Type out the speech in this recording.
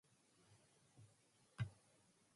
He played in four test matches for the Springboks.